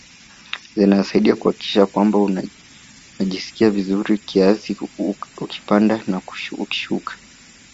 Zinasaidia kuhakikisha kwamba unajisikia vizuri kiasi ukipanda na ukishuka